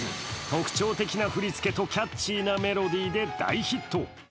特徴的な振り付けとキャッチーなメロディーで大ヒット。